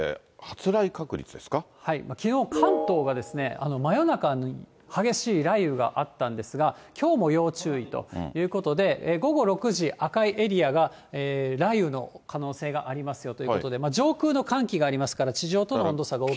きのう、関東が真夜中に激しい雷雨があったんですが、きょうも要注意ということで、午後６時、赤いエリアが雷雨の可能性がありますよということで、上空の寒気がありますから、地上との温度差が大きいと。